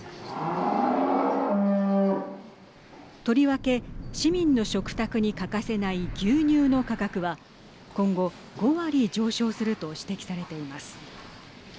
とりわけ市民の食卓に欠かせない牛乳の価格は今後５割上昇すると指摘されています。